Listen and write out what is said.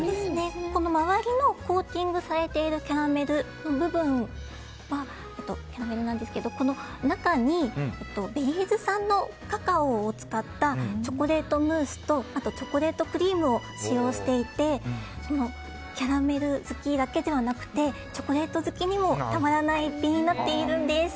周りのコーティングされているキャラメルと中に、ベリーズ産カカオを使ったチョコレートムースとチョコレートクリームを使用していてキャラメル好きだけではなくチョコレート好きにもたまらない一品になっているんです。